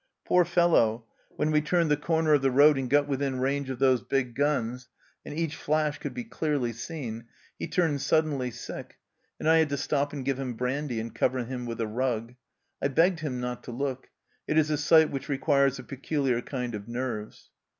" Poor fellow 1 When we turned the corner of 78 THE CELLAR HOUSE OF PERVYSE the road and got within range of those big guns, and each flash could be clearly seen, he turned suddenly sick, and I had to stop and give him brandy and cover him with a rug. I begged him not to look. It is a sight which requires a peculiar kind of nerves."